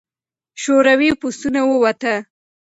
شوروي پوځونه ووته.